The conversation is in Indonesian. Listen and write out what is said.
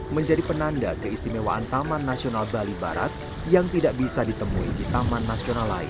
menjadi penanda keistimewaan taman nasional bali barat yang tidak bisa ditemui di taman nasional lain